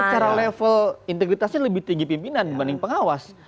secara level integritasnya lebih tinggi pimpinan dibanding pengawas